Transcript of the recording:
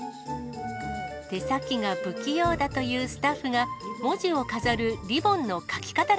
手先が不器用だというスタッフが、文字を飾るリボンの書き方